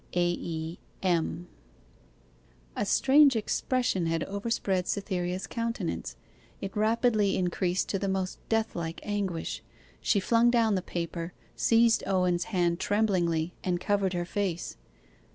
'AE. M.' A strange expression had overspread Cytherea's countenance. It rapidly increased to the most death like anguish. She flung down the paper, seized Owen's hand tremblingly, and covered her face.